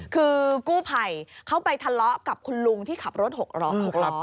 คือกู้ภัยเขาไปทะเลาะกับคุณลุงที่ขับรถ๖ล้อ๖ล้อ